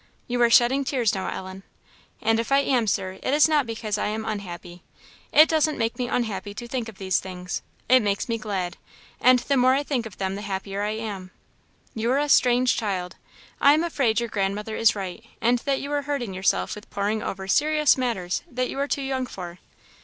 "You are shedding tears now, Ellen." "And if I am, Sir, it is not because I am unhappy. It doesn't make me unhappy to think of these things it makes me glad; and the more I think of them the happier I am." "You are a strange child. I am afraid your grandmother is right, and that you are hurting yourself with poring over serious matters that you are too young for."